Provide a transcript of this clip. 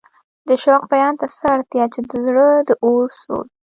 د شوق بیان ته څه اړتیا چې د زړه د اور سوز.